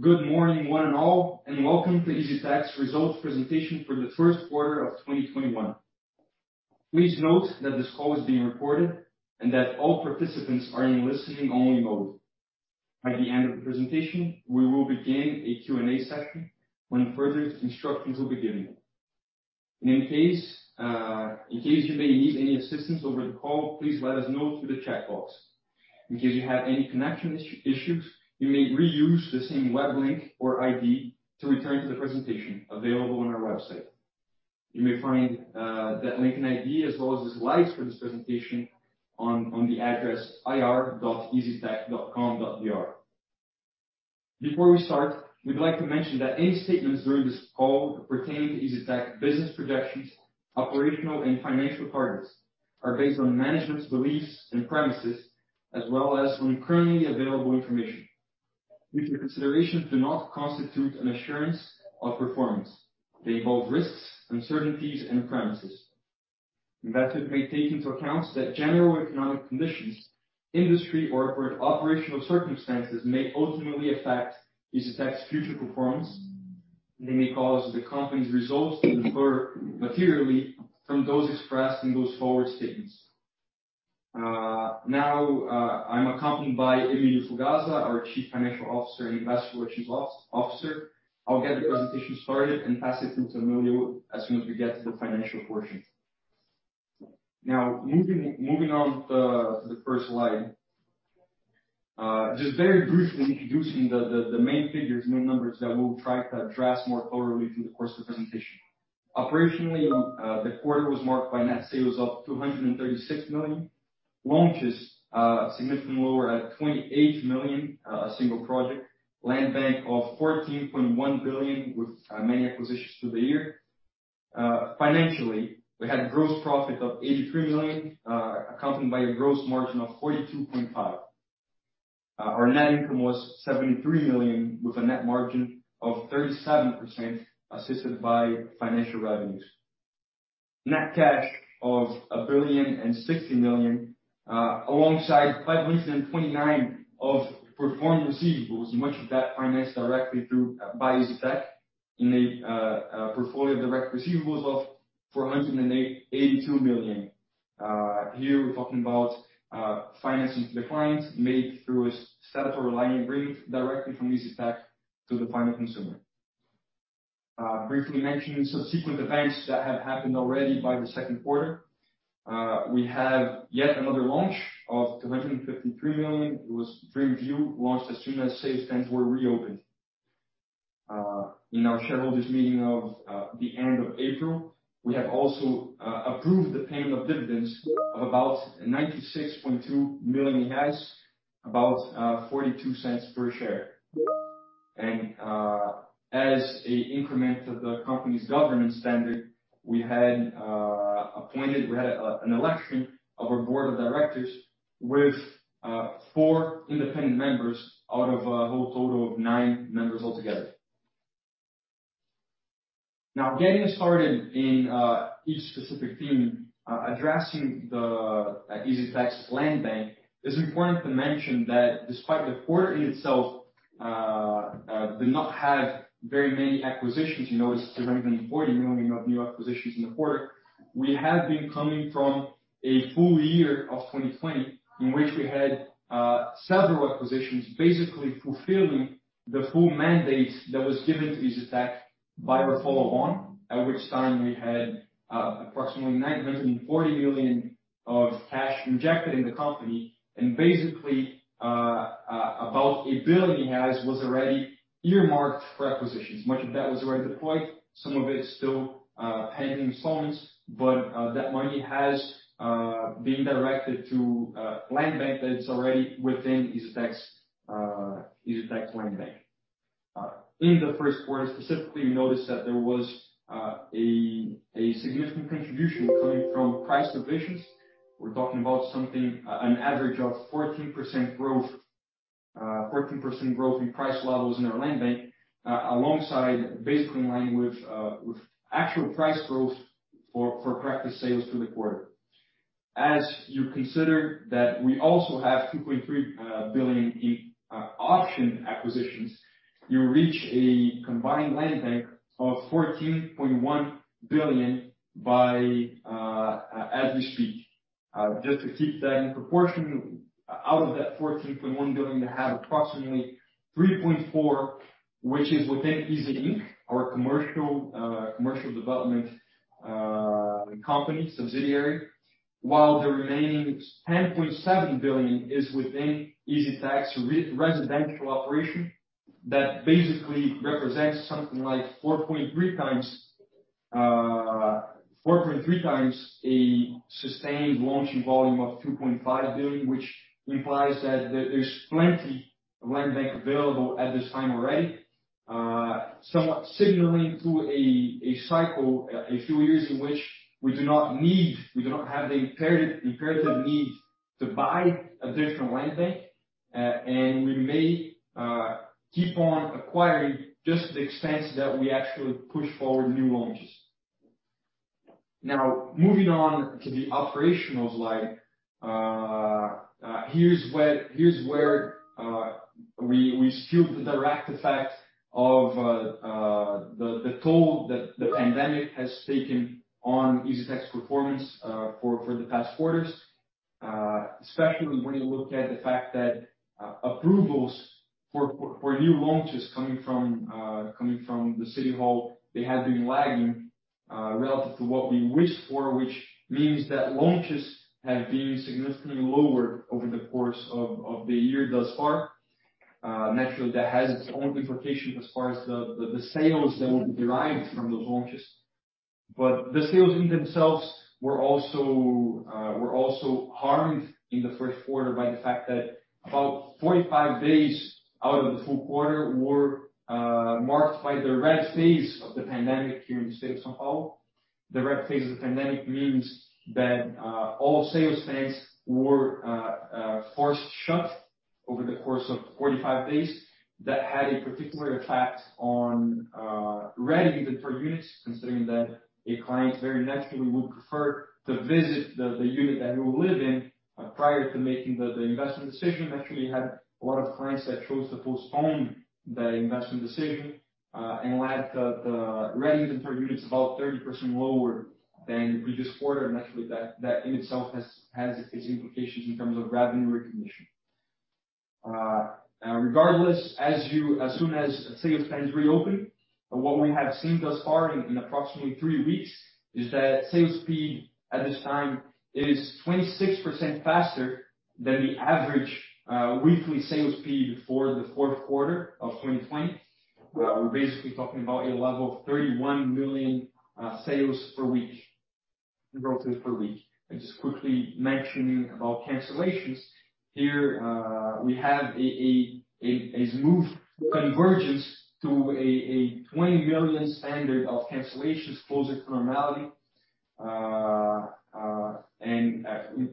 Good morning one and all, welcome to EZTEC results presentation for the first quarter of 2021. Please note that this call is being recorded, that all participants are in listen-only mode. By the end of the presentation, we will begin a Q&A session when further instructions will be given. In case you may need any assistance over the call, please let us know through the chat box. In case you have any connection issues, you may reuse the same web link or ID to return to the presentation available on our website. You may find that link and ID as well as the slides for this presentation on the address ir.eztec.com.br. Before we start, we'd like to mention that any statements during this call pertaining to EZTEC business projections, operational, and financial targets are based on management's beliefs and premises as well as on currently available information. These considerations do not constitute an assurance of performance. They involve risks, uncertainties, and premises. Investors may take into account that general economic conditions, industry, or operational circumstances may ultimately affect EZTEC future performance. They may cause the company's results to differ materially from those expressed in those forward statements. I'm accompanied by Emilio Fugazza, our Chief Financial Officer and Investor Relations Officer. I'll get the presentation started and pass it to Emilio as soon as we get to the financial portion. Moving on to the first slide. Just very briefly introducing the main figures, main numbers that we'll try to address more thoroughly through the course of presentation. Operationally, the quarter was marked by net sales of 236 million. Launches, significantly lower at 28 million, a single project. Land bank of 14.1 billion with many acquisitions through the year. Financially, we had gross profit of 83 million, accompanied by a gross margin of 42.5%. Our net income was 73 million with a net margin of 37%, assisted by financial revenues. Net cash of 1.06 billion, alongside 529 million of performed receivables, much of that financed directly by EZTEC made a portfolio of direct receivables of 482 million. Here, we're talking about financing lines made through a separate line of credit directly from EZTEC to the final consumer. Briefly mentioning subsequent events that have happened already by the second quarter. We have yet another launch of 253 million. It was very viewed once as soon as sales stands were reopened. In our shareholders' meeting of the end of April, we had also approved the payment of dividends of about 96.2 million reais, about 0.42 per share. As an increment of the company's governance standard, we had appointed an election of our board of directors with four independent members out of a whole total of nine members altogether. Now, getting started in each specific theme, addressing the EZTEC's land bank, it's important to mention that despite the quarter in itself, did not have very many acquisitions. You notice 240 million of new acquisitions in the quarter. We have been coming from a full year of 2020, in which we had several acquisitions, basically fulfilling the full mandate that was given to EZTEC by the follow-on. At which time we had approximately 940 million of cash injected in the company, and basically, about 1 billion was already earmarked for acquisitions. Much of that was already deployed, some of it's still pending funds, that money has been directed to land bank that's already within EZTEC land bank. In the first quarter, specifically, notice that there was a significant contribution coming from price revisions. We're talking about an average of 14% growth in price levels in our land bank, alongside basically in line with actual price growth for practice sales for the quarter. You consider that we also have 2.3 billion in option acquisitions, you reach a combined land bank of 14.1 billion as we speak. Just to keep that in proportion, out of that 14.1 billion, you have approximately 3.4 billion, which is within EZ Inc. Our commercial development company subsidiary, while the remaining 10.7 billion is within EZTEC residential operation. That basically represents something like 4.3x a sustained launching volume of 2.5 billion, which implies that there is plenty of land bank available at this time already. Somewhat similarly to a cycle a few years in which we do not have the imperative need to buy a different land bank, and we may keep on acquiring just at the expense that we actually push forward new launches. Moving on to the operational slide. Here's where we feel the direct effect of the toll that the pandemic has taken on EZTEC performance for the past quarters, especially when you look at the fact that approvals for new launches coming from the city hall, they have been lagging relative to what we wished for, which means that launches have been significantly lower over the course of the year thus far. Naturally, that has its own implications as far as the sales that will be derived from those launches. The sales in themselves were also harmed in the first quarter by the fact that about 45 days out of the full quarter were marked by the red phase of the pandemic here in the state of São Paulo. The red phase of the pandemic means that all sales stands were forced shut over the course of 45 days. That had a particular effect on ready-to-rent units, considering that a client very naturally would prefer to visit the unit that he will live in prior to making the investment decision. Naturally, we had a lot of clients that chose to postpone the investment decision, and that had the ready-to-rent units about 30% lower than the previous quarter. Naturally, that in itself has its implications in terms of revenue recognition. Regardless, as soon as sales stands reopen, what we have seen thus far in approximately three weeks is that sales speed at this time is 26% faster than the average weekly sales speed for the fourth quarter of 2020. We're basically talking about a level of 31 million sales per week, in grosses per week. Just quickly mentioning about cancellations. Here, we have a smooth convergence to a 20 million standard of cancellations closing to normality.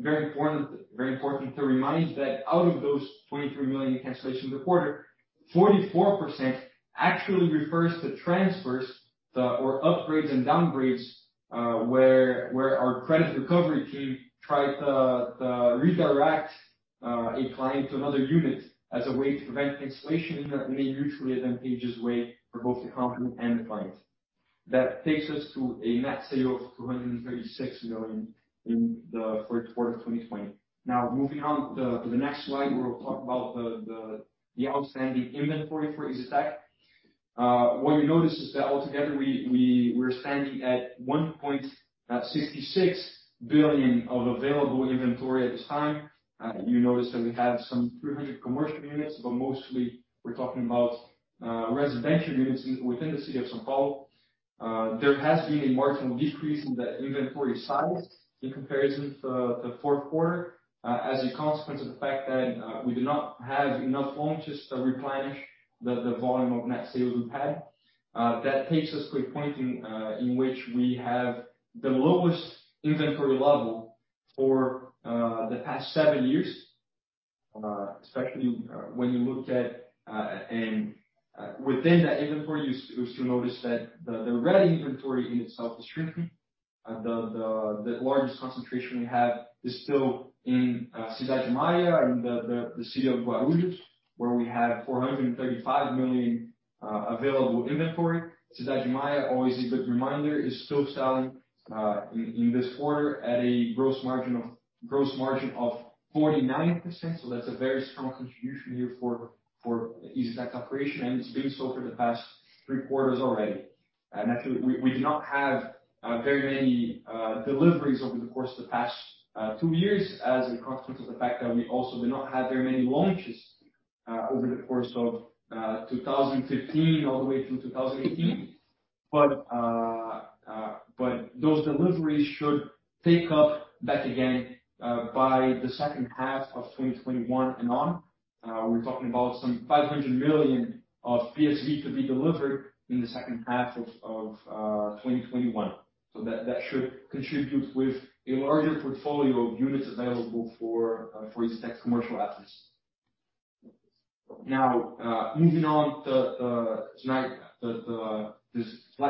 Very important to remind that out of those 23 million cancellations a quarter, 44% actually refers to transfers or upgrades and downgrades, where our credit recovery team tried to redirect a client to another unit as a way to prevent cancellation in a mutually advantageous way for both the company and the client. That takes us to a net sale of 236 million in the fourth quarter of 2020. Moving on to the next slide, we will talk about the outstanding inventory for EZTEC. What you notice is that altogether, we're standing at 1.66 billion of available inventory at this time. You notice that we have some 300 commercial units, but mostly we're talking about residential units within the city of São Paulo. There has been a marginal decrease in that inventory size in comparison to the fourth quarter, as a consequence of the fact that we do not have enough launches to replenish the volume of net sales we've had. That takes us to a point in which we have the lowest inventory level for the past seven years. Within that inventory, you still notice that the ready inventory in itself is shrinking. The largest concentration we have is still in Cidade Maia, in the city of Guarulhos, where we have 435 million available inventory. Cidade Maia, always a good reminder, is still selling in this quarter at a gross margin of 49%, so that's a very strong contribution here for EZTEC operation, and it's been so for the past three quarters already. Naturally, we do not have very many deliveries over the course of the past two years as a consequence of the fact that we also do not have very many launches over the course of 2015 all the way through 2018. Those deliveries should pick up back again, by the second half of 2021 and on. We're talking about some 500 million of PSV to be delivered in the second half of 2021. That should contribute with a larger portfolio of units available for EZTEC's commercial assets. Moving on to slide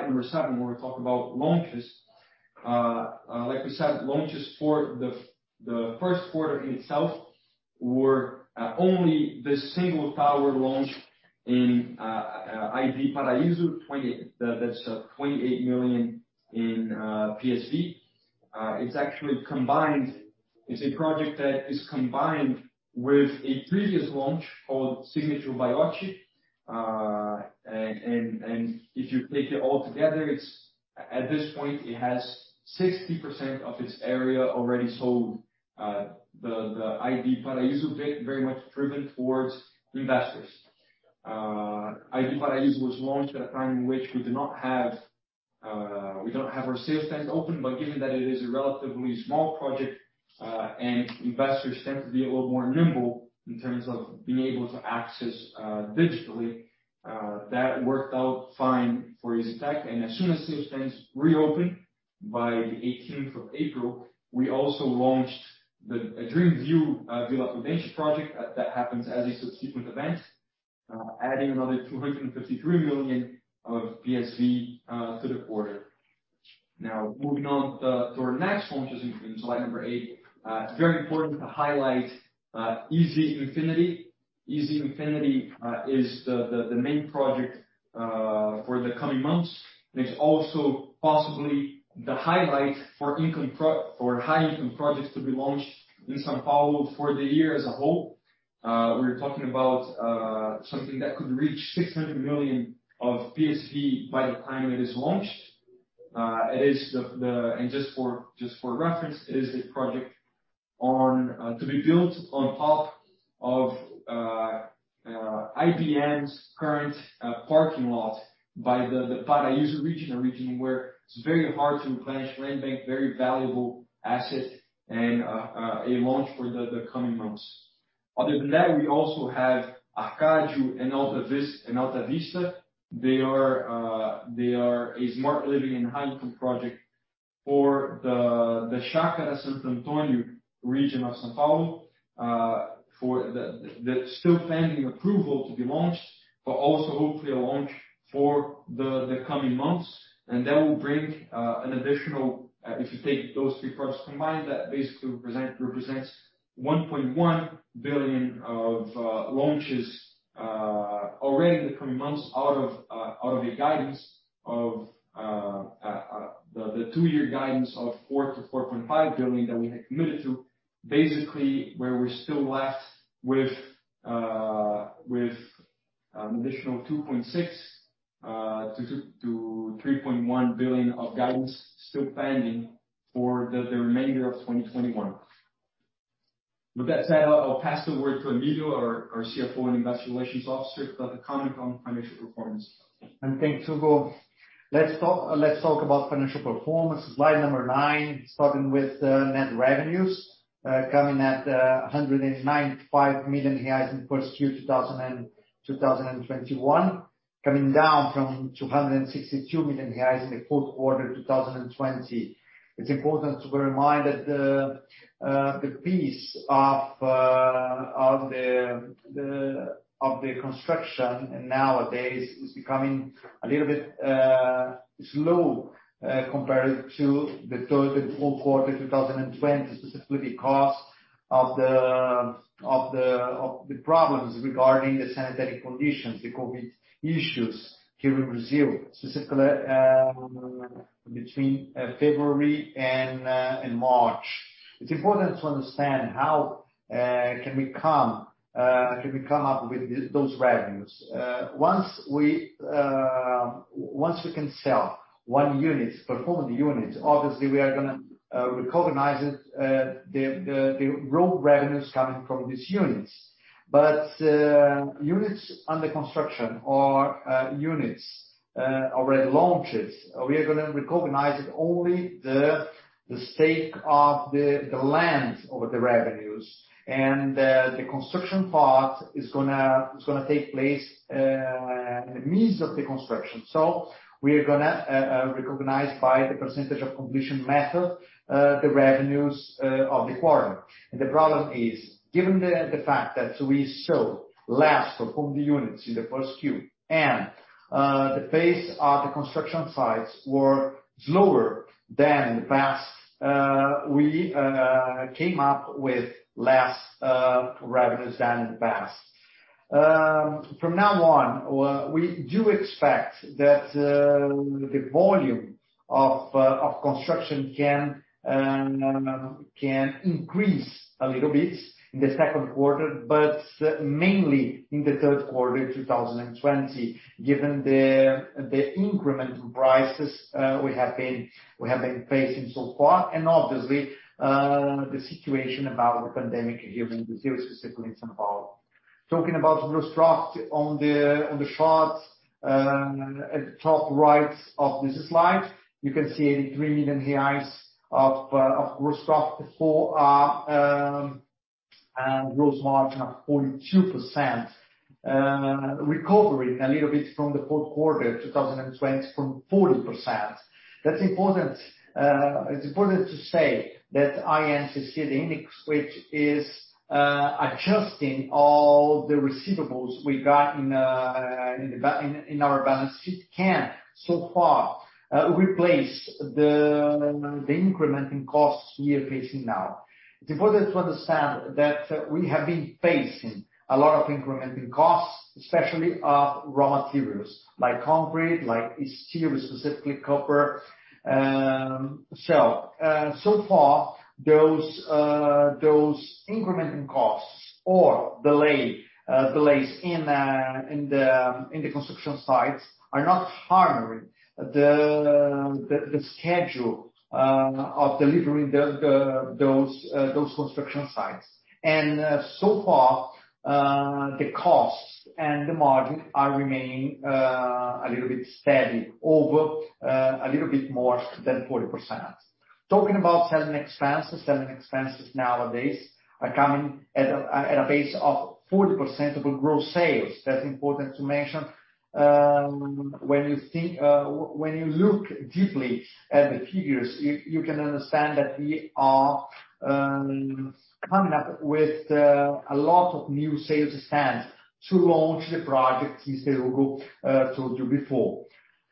number seven, where we talk about launches. Like we said, launches for the first quarter in itself were only this single tower launch in ID Paraíso. That's 28 million in PSV. It's a project that is combined with a previous launch called Signature by Ott, and if you take it all together, at this point, it has 60% of its area already sold. The ID Paraíso very much driven towards investors. ID Paraíso was launched at a time in which we don't have our sales stands open, given that it is a relatively small project and investors tend to be a little more nimble in terms of being able to access digitally, that worked out fine for EZTEC. As soon as sales stands reopen by the April 18th, we also launched a Dream View Vila Prudente project. That happens as a subsequent event. Adding another 253 million of PSV to the quarter. Moving on to our next one, which is in slide number eight. It's very important to highlight EZ Infinity. EZ Infinity is the main project for the coming months, and it's also possibly the highlight for high income projects to be launched in São Paulo for the year as a whole. We're talking about something that could reach 600 million of PSV by the time it is launched. Just for reference, it is a project to be built on top of IBM's current parking lot by the Paraíso region, a region where it's very hard to replenish land bank, very valuable asset and a launch for the coming months. Other than that, we also have Arkadio and Alta Vista. They are a smart living and high income project for the Chácara Santo Antônio region of São Paulo, that is still pending approval to be launched, but also hopefully a launch for the coming months. That will bring an additional, if you take those three products combined, that basically represents 1.1 billion of launches already in the coming months out of the two-year guidance of 4 billion-4.5 billion that we had committed to, basically, where we are still left with additional 2.6 billion-3.1 billion of guidance still pending for the remainder of 2021. With that said, I will pass the word to Emilio, our CFO and investor relations officer, to comment on financial performance. Thanks, Hugo. Let's talk about financial performance, slide number nine, starting with net revenues coming at 195 million reais in Q1 2021, coming down from 262 million reais in the fourth quarter 2020. It's important to bear in mind that the pace of the construction nowadays is becoming a little bit slow compared to the total full quarter 2020, specifically because of the problems regarding the sanitary conditions, the COVID issues here in Brazil, specifically between February and March. It's important to understand how can we come up with those revenues. Once we can sell one unit, perform the unit, obviously, we are going to recognize it, the raw revenues coming from these units. Units under construction or units already launched, we are going to recognize it only the stake of the land over the revenues. The construction part is going to take place at the means of the construction. We are going to recognize by the percentage of completion method, the revenues of the quarter. The problem is, given the fact that we sold less performed units in the first quarter, and the pace of the construction sites were slower than in the past we came up with less revenues than in the past. From now on, we do expect that the volume of construction can increase a little bit in the second quarter, but mainly in the third quarter 2020, given the increment prices we have been facing so far and obviously, the situation about the pandemic here in Brazil, specifically in São Paulo. Talking about gross profit on the chart at the top right of this slide, you can see 83 million reais of gross profit and gross margin of 42%, recovering a little bit from the fourth quarter 2020 from 40%. It's important to say that INCC index, which is adjusting all the receivables we got in our balance sheet, can so far replace the increment in costs we are facing now. It's important to understand that we have been facing a lot of increment in costs, especially of raw materials like concrete, like steel, specifically copper. So far those increment costs or delays in the construction sites are not harming the schedule of delivering those construction sites. So far, the costs and the margin are remaining a little bit steady over a little bit more than 40%. Talking about selling expenses. Selling expenses nowadays are coming at a pace of 40% of the gross sales. That's important to mention. When you look deeply at the figures, you can understand that we are coming up with a lot of new sales stands to launch the project, as Hugo told you before.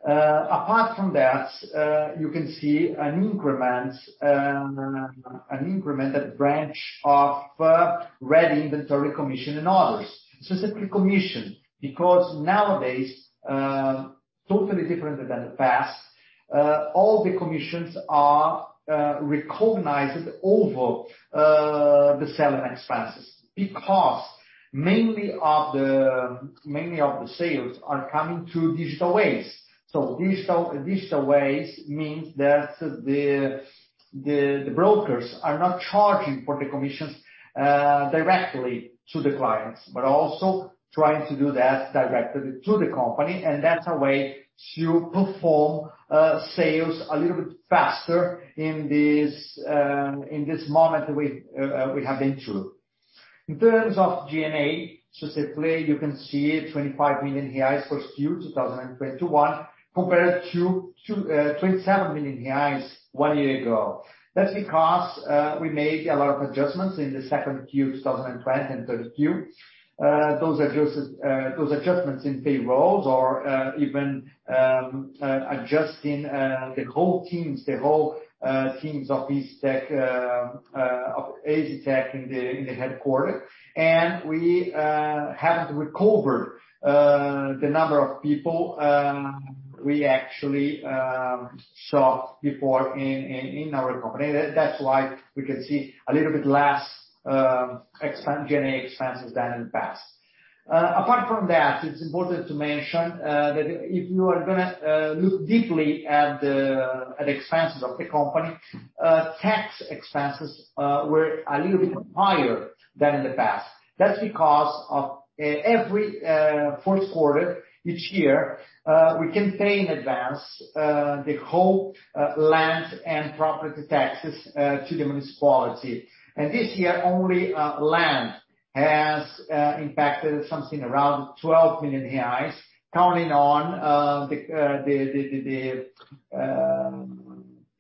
Apart from that, you can see an increment at branch of revenue inventory commission and others. Specifically commission, because nowadays, totally different than the past, all the commissions are recognized over the selling expenses because many of the sales are coming through digital ways. Digital ways means that the brokers are not charging for the commissions directly to the clients, but also trying to do that directly to the company. That's a way to perform sales a little bit faster in this moment we have been through. In terms of G&A, specifically, you can see 25 million reais for Q2 2021 compared to 27 million reais one year ago. That's because we made a lot of adjustments in the second Q 2020 and third Q. Those adjustments in payrolls or even adjusting the whole teams of EZTEC in the headquarter. We haven't recovered the number of people we actually saw before in our company. That's why we can see a little bit less G&A expenses than in the past. Apart from that, it's important to mention that if you are going to look deeply at the expenses of the company, tax expenses were a little bit higher than in the past. That's because of every fourth quarter each year, we can pay in advance the whole land and property taxes to the Municipality of São Paulo. This year, only land has impacted something around 12 million reais counting on the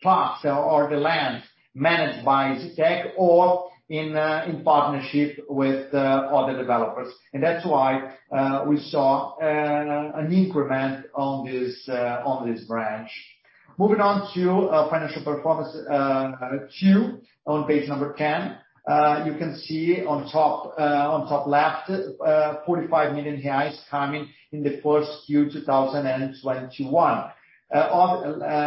plots or the lands managed by EZTEC or in partnership with other developers. That's why we saw an increment on this branch. Moving on to financial performance on page number 10. You can see on top left, 45 million reais coming in Q1 2021.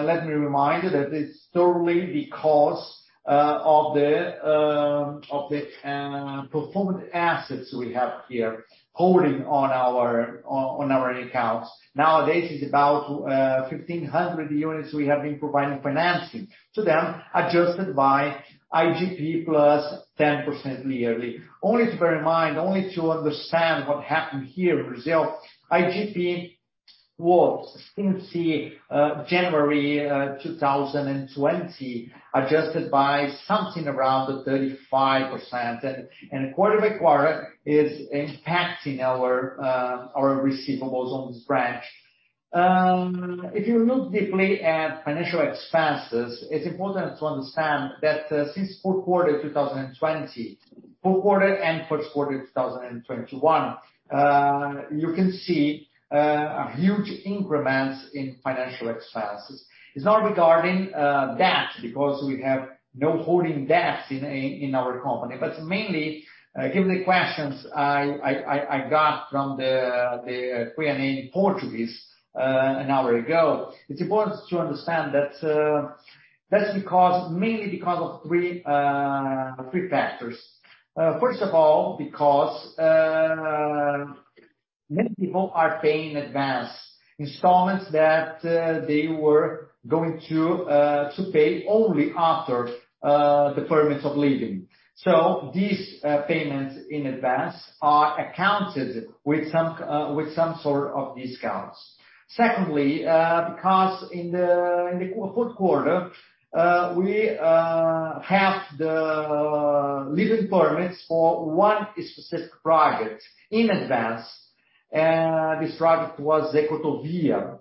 Let me remind you that it's totally because of the performance assets we have here holding on our accounts. Nowadays, it's about 1,500 units we have been providing financing to them, adjusted by IGP plus 10% yearly. Only to bear in mind, only to understand what happened here in Brazil, IGP was since January 2020, adjusted by something around 35%, and quarter by quarter is impacting our receivables on this branch. If you look deeply at financial expenses, it is important to understand that since fourth quarter 2020, fourth quarter and first quarter 2021, you can see a huge increments in financial expenses. It is not regarding debt, because we have no holding debt in our company. Mainly, given the questions I got from the Q&A in Portuguese an hour ago, it is important to understand that is mainly because of three factors. First of all, because many people are paying advanced installments that they were going to pay only after the permits of living. These payments in advance are accounted with some sort of discounts. Secondly, because in the fourth quarter, we have the living permits for one specific project in advance, This project was Ecotovilla.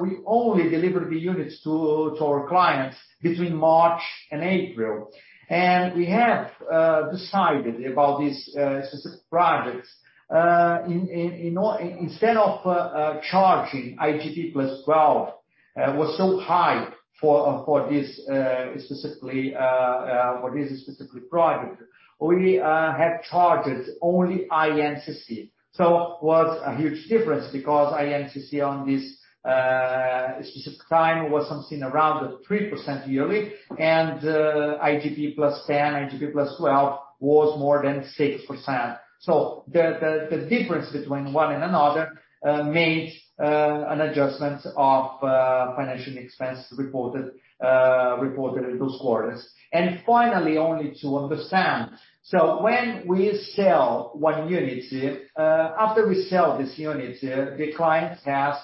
We only delivered the units to our clients between March and April. We have decided about these specific projects, instead of charging IGP + 12%, was so high for this specific project, we have charged only INCC. It was a huge difference because INCC on this specific time was something around 3% yearly, and IGP plus 10, IGP + 12% was more than 6%. The difference between one and another made an adjustment of financial expense reported in those quarters. Finally, only to understand. When we sell one unit, after we sell this unit, the client has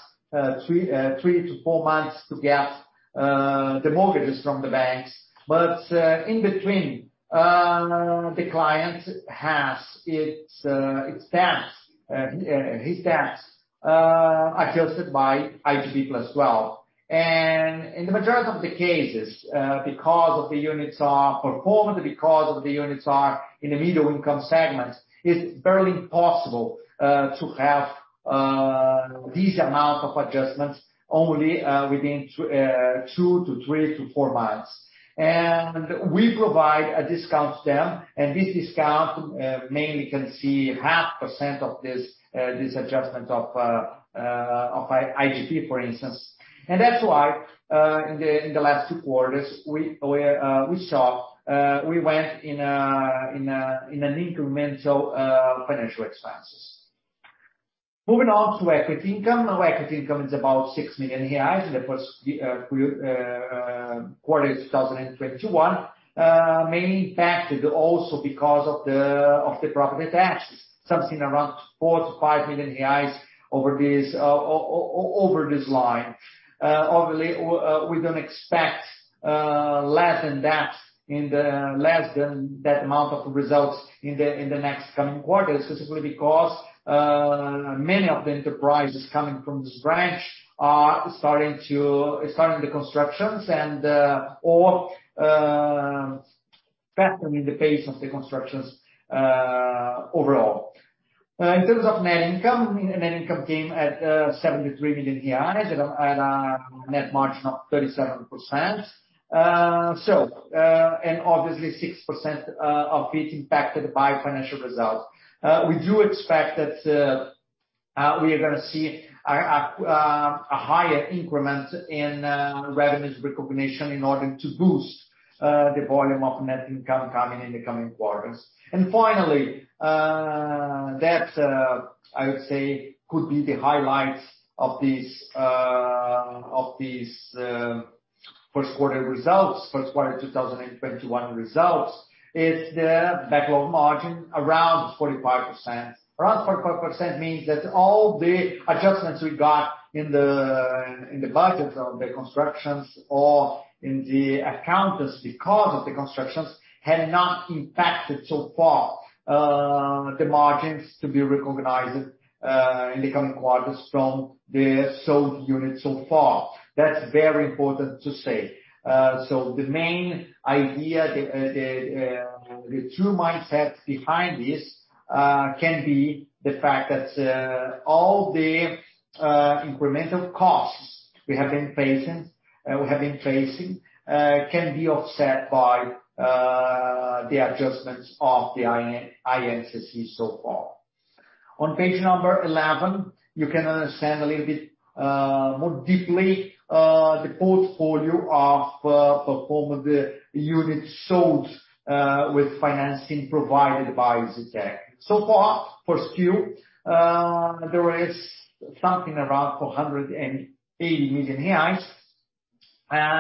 3 to 4 months to get the mortgages from the banks. In between, the client has his tax adjusted by IGP + 12%. In the majority of the cases, because of the units are performed, because of the units are in the middle income segments, it's barely possible to have this amount of adjustments only within 2 to 3 to four months. We provide a discount to them, this discount mainly can see 0.5% of this adjustment of IGP, for instance. That's why in the last two quarters we went in an incremental financial expenses. Moving on to equity income. Equity income is about 6 million reais. That was the quarter 2021, mainly impacted also because of the profit advances, something around 4 million to 5 million reais over this line. Obviously, we don't expect less than that amount of results in the next coming quarters simply because many of the enterprises coming from this branch are starting the constructions and/or factoring in the pace of the constructions overall. In terms of net income, net income came at 73 million at a net margin of 37%. Obviously 6% of it impacted by financial results. We do expect that we are going to see a higher increment in revenues recognition in order to boost the volume of net income coming in the coming quarters. Finally, that I would say could be the highlights of these Q1 2021 results. It's the backlog margin around 45%. Around 45% means that all the adjustments we got in the budget of the constructions or in the accounts because of the constructions had not impacted so far the margins to be recognized in the coming quarters from the sold units so far. That's very important to say. The main idea, the true mindset behind this can be the fact that all the incremental costs we have been facing can be offset by the adjustments of the INCC so far. On page number 11, you can understand a little bit more deeply the portfolio of performance units sold with financing provided by EZTEC. So for our Q1, there is something around 480 million reais,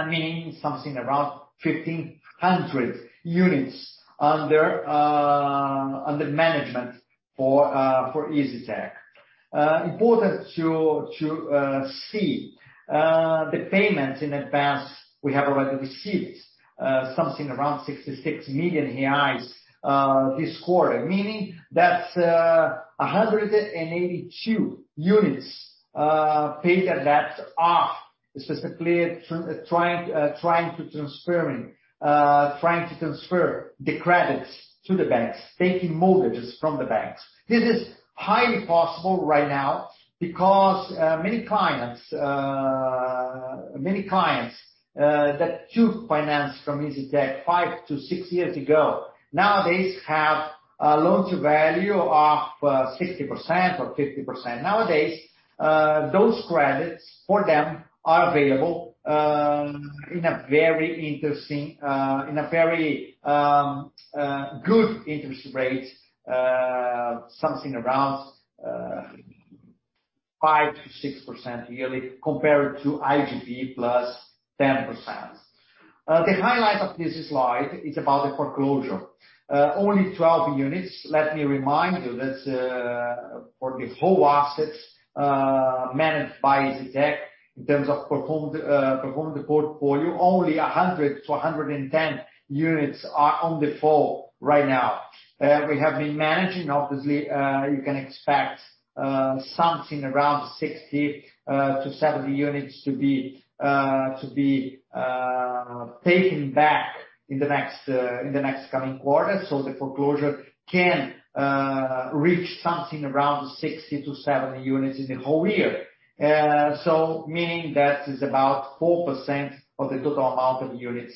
meaning something around 1,500 units under management for EZTEC. Important to see the payments in advance we have already received something around 66 million reais this quarter, meaning that 182 units paid the debts off, specifically trying to transfer the credits to the banks, taking mortgages from the banks. This is highly possible right now because many clients that took finance from EZTEC five to six years ago, nowadays have a loan-to-value of 60% or 50%. Nowadays, those credits for them are available in a very good interest rate, something around 5%-6% yearly compared to IGP plus 10%. The highlight of this slide is about the foreclosure. Only 12 units. Let me remind you that for the whole assets managed by EZTEC in terms of performance portfolio, only 100-110 units are on default right now. We have been managing, obviously you can expect something around 60-70 units to be taken back in the next coming quarter. The foreclosure can reach something around 60-70 units in the whole year. Meaning that is about 4% of the total amount of units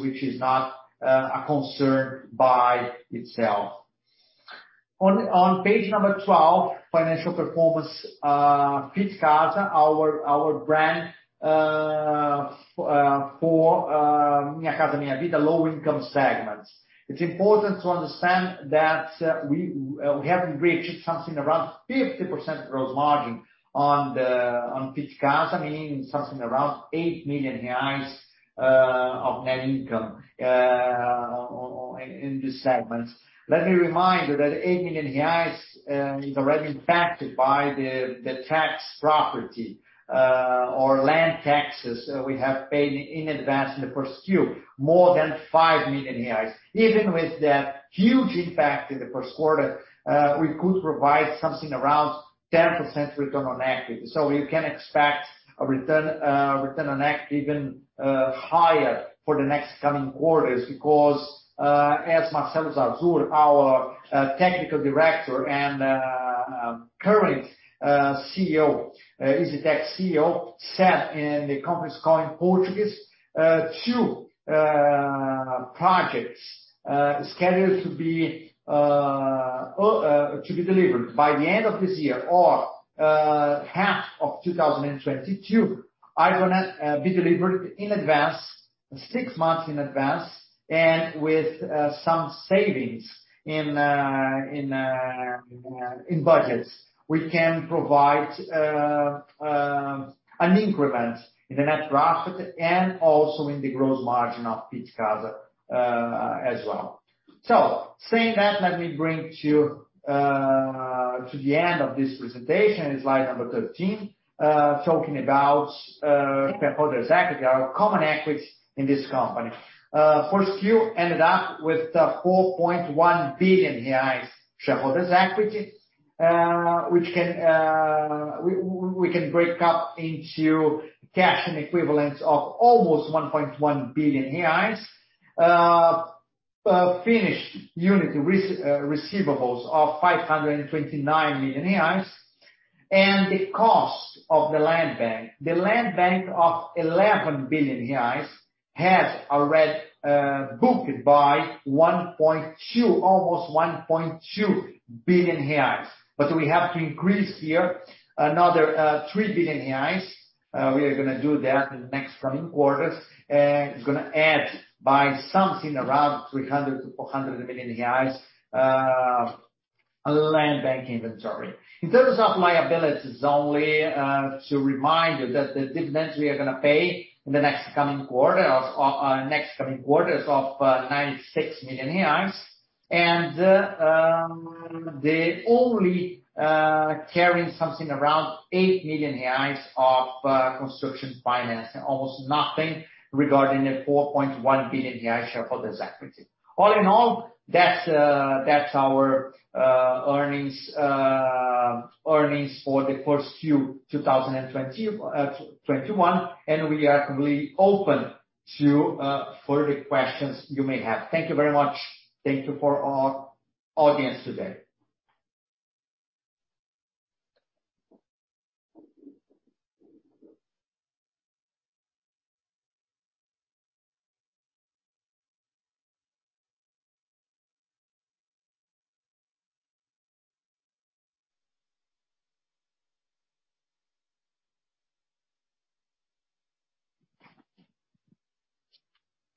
which is not a concern by itself. On page number 12, financial performance, Fit Casa, our brand for the low-income segments. It's important to understand that we have reached something around 50% gross margin on Fit Casa, meaning something around 8 million reais of net income in this segment. Let me remind you that 8 million reais is already impacted by the tax property or land taxes that we have paid in advance in the first year, more than 5 million reais. Even with that huge impact in the first quarter we could provide something around 10% return on equity. You can expect a return on equity even higher for the next coming quarters because as Marcelo Zarzur, our Technical Director and current CEO, EZTEC CEO, said in the company's call in Portuguese, 2 projects scheduled to be delivered by the end of this year or first half of 2022 are going to be delivered in advance, 6 months in advance, and with some savings in budgets. We can provide an increment in the net profit and also in the gross margin of each quarter as well. Saying that, let me bring to the end of this presentation, slide 13, talking about shareholders' equity, our common equity in this company. First quarter ended up with 4.1 billion reais shareholders' equity, which we can break up into cash and equivalents of almost 1.1 billion reais, finished unit receivables of 529 million reais, and the cost of the land bank. The land bank of 11 billion reais has already been booked by almost 1.2 billion reais. We have to increase here another 3 billion reais. We are going to do that in the next coming quarters, and it's going to add by something around 300 million to 400 million reais land bank inventory. In terms of liabilities only, to remind you that the dividends we are going to pay in the next coming quarters of 96 million reais, they only carry something around 8 million reais of construction financing, almost nothing regarding the 4.1 billion shareholders' equity. All in all, that's our earnings for first quarter 2021. We are completely open to further questions you may have. Thank you very much. Thank you for our audience today.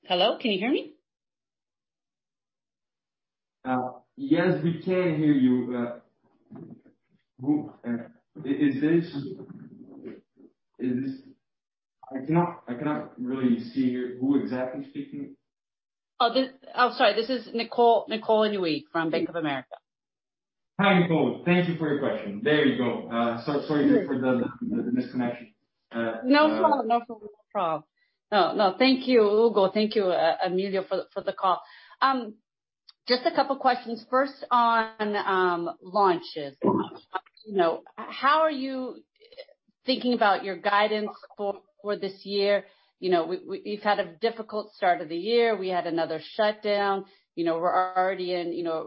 Hello, can you hear me? Yes, we can hear you. I cannot really see who exactly speaking. Oh, sorry. This is Nicole Inui from Bank of America. Hi, Nicole. Thank you for your question. There you go. Sorry for the misconnection. No problem. Thank you, Hugo. Thank you, Emilio, for the call. Just a couple of questions. First on launches. How are you thinking about your guidance for this year? We've had a difficult start of the year. We had another shutdown. We're already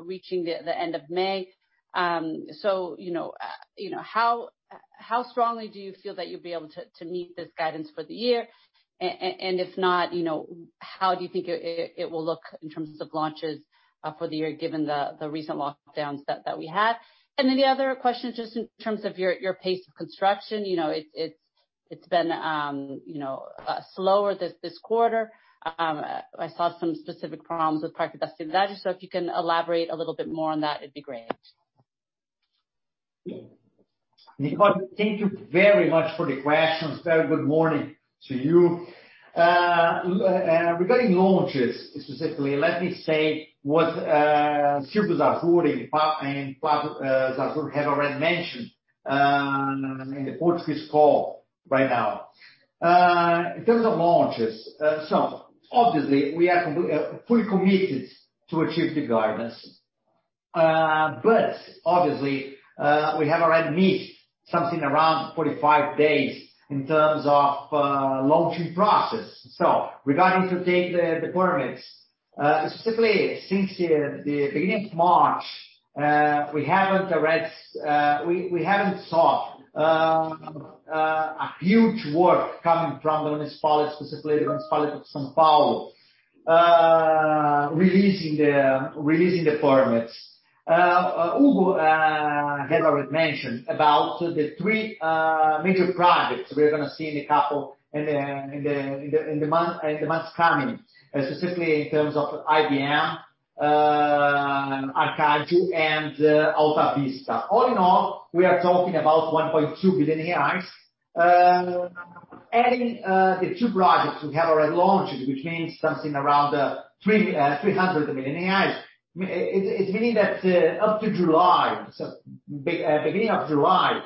reaching the end of May. How strongly do you feel that you'll be able to meet this guidance for the year? If not, how do you think it will look in terms of launches for the year, given the recent lockdown step that we had? The other question, just in terms of your pace of construction, it's been slower this quarter. I saw some specific problems with Parque da Cidade. If you can elaborate a little bit more on that, it'd be great. Nicole, thank you very much for the questions. Very good morning to you. Regarding launches specifically, let me say what Marcelo Zarzur had already mentioned in the Portuguese call right now. In terms of launches, obviously, we are fully committed to achieve the guidance. Obviously, we have already missed something around 45 days in terms of launching process. Regarding to take the permits, specifically since the beginning of March, we haven't saw a huge work coming from the municipal, specifically the Municipality of São Paulo, releasing the permits. Hugo had already mentioned about the three major projects we're going to see in the months coming, specifically in terms of IBM, Arkadio, and Alta Vista. All in all, we are talking about 1.2 billion reais. The two projects we have already launched, which means something around 300 million reais. It means that up to July, beginning of July,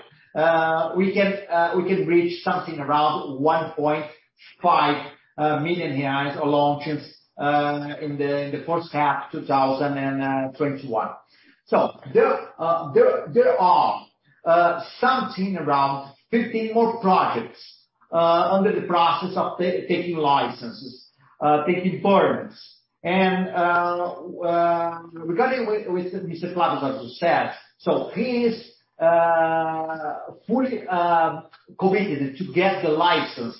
we can reach something around 1.5 billion reais of launches in the first half of 2021. There are something around 15 more projects under the process of taking licenses, taking permits. Regarding what Carlos Ott has said, he's fully committed to get the license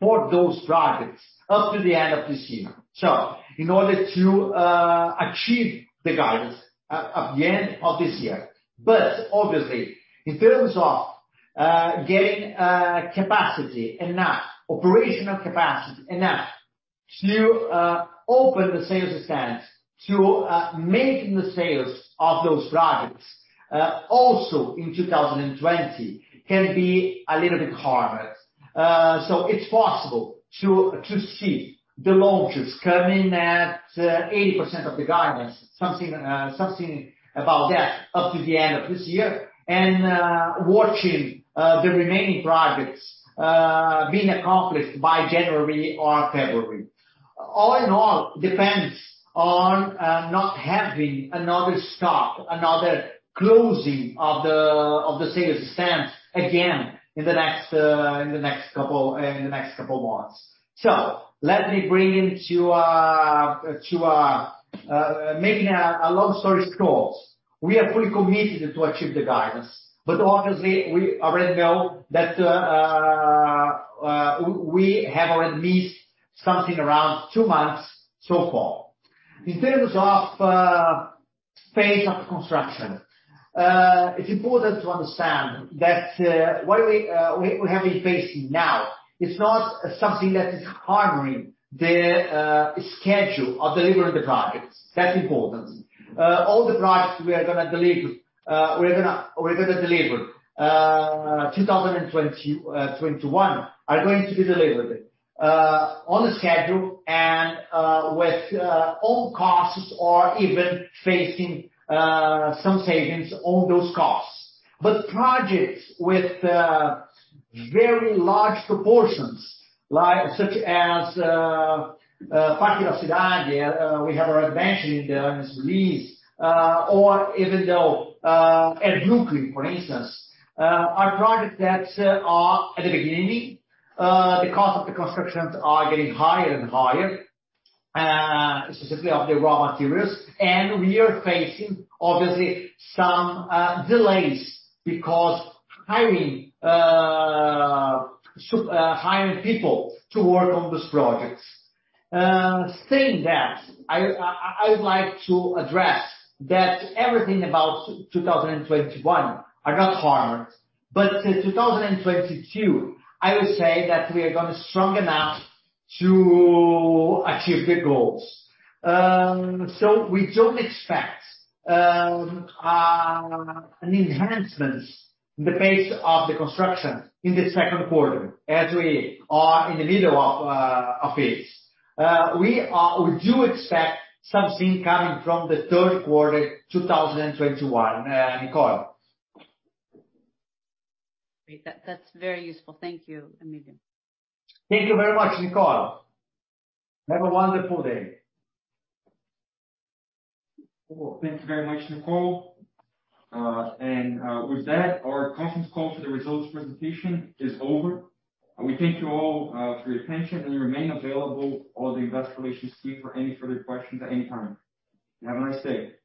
for those projects up to the end of this year. In order to achieve the guidance at the end of this year. Obviously, in terms of getting capacity enough, operational capacity enough to open the sales stands to making the sales of those projects also in 2020 can be a little bit harder. It's possible to see the launches coming at 80% of the guidance, something about that up to the end of this year, and watching the remaining projects being accomplished by January or February. All in all, it depends on not having another stop, another closing of the sales stands again in the next couple of months. Let me bring it to making a long story short. We are fully committed to achieve the guidance, obviously, we already know that we have at least something around two months so far. In terms of phase of construction, it's important to understand that what we are facing now is not something that is harming the schedule of delivering the guidance. That's important. All the projects we're going to deliver in 2021 are going to be delivered on schedule and with all costs or even facing some savings on those costs. Projects with very large proportions, such as Parque da Cidade, we have already mentioned in this release, or even though Ed. Núcleo, for instance are projects that are at the beginning, the cost of the constructions are getting higher and higher, specifically of the raw materials, and we are facing, obviously, some delays because hiring people to work on those projects. Saying that, I would like to address that everything about 2021 are not harmed. 2022, I would say that we are going strong enough to achieve the goals. We don't expect an enhancement in the pace of the construction in the second quarter as we are in the middle of it. We do expect something coming from the third quarter 2021. Nicole. That's very useful. Thank you, Emilio. Thank you very much, Nicole. Have a wonderful day. Thank you very much, Nicole. With that, our conference call for the results presentation is over. We thank you all for your attention and remain available at all the investor relations team for any further questions at any time. Have a nice day